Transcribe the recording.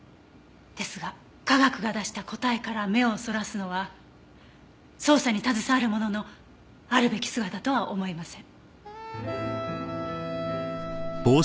ですが科学が出した答えから目をそらすのは捜査に携わる者のあるべき姿とは思えません。